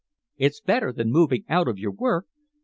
"It's better than moving out of your work.